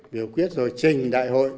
biểu quyết rồi trình đại hội